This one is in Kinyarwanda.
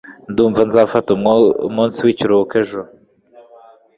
Ndumva nzafata umunsi w'ikiruhuko ejo.